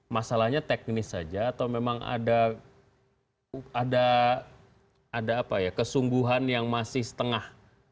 masalahnya teknis saja atau memang ada kesungguhan yang masih setengah